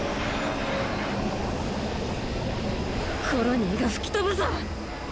コロニーが吹き飛ぶぞ。